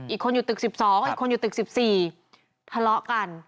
อีกคนอยู่ตึกสิบสองอีกคนอยู่ตึกสิบสี่ทะเลาะกัน